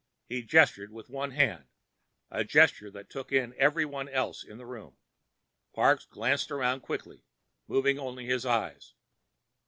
He gestured with one hand—a gesture that took in everyone else in the room. Parks glanced around quickly, moving only his eyes.